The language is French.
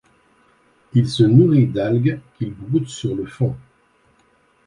Il se nourrit d'algues, qu'il broute sur le fond.